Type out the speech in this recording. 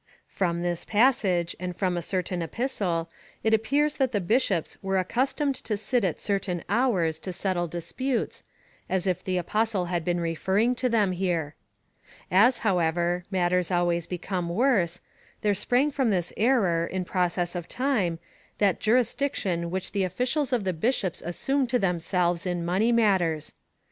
From this passage, and from a certain epistle, it appears that the bishops were accustomed to sit at certain hours to settle disputes, as if the Apostle had been referring to them here. As, however, matters always become worse, there sprang from this error, in process of time, that juris diction which the officials of the bishops assume to them selves in money matters.